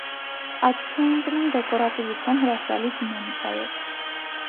Աչքի է ընկնում դեկորատիվության հրաշալի դինամիկայով։